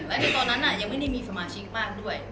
และในตอนนั้นยังไม่ได้มีสมาชิกมากด้วย